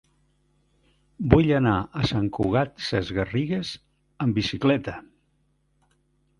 Vull anar a Sant Cugat Sesgarrigues amb bicicleta.